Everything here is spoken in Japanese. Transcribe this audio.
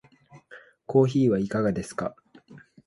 コーヒーはいかがですか？